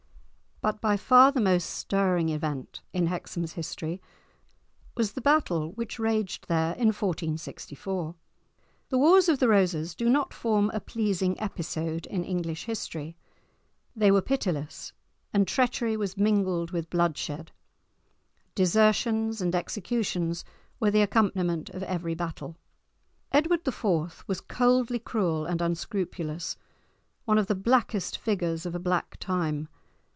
But by far the most stirring event in Hexham's history was the battle which raged there in 1464. The Wars of the Roses do not form a pleasing episode in English history. They were pitiless, and treachery was mingled with bloodshed; desertions and executions were the accompaniment of every battle. Edward IV. was coldly cruel and unscrupulous, one of the blackest figures of a black time.